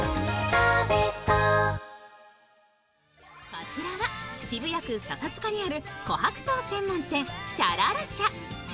こちらは渋谷区笹塚にある琥珀糖専門店シャララ舎。